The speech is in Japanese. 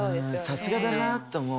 さすがだなって思う。